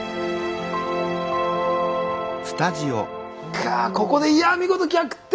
がここでいやぁ見事逆転！